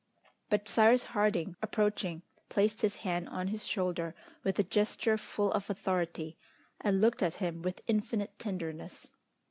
But Cyrus Harding approaching, placed his hand on his shoulder with a gesture full of authority, and looked at him with infinite tenderness.